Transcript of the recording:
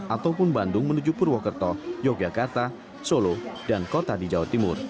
ataupun bandung menuju purwokerto yogyakarta solo dan kota di jawa timur